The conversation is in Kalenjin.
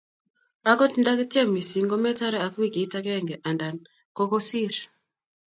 Akot nda kitiem mising ,ko metare ak wikit akenge andan ko kosir